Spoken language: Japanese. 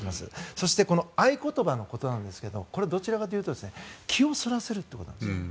そして、この合言葉なんですがこれはどちらかというと気をそらせるということです。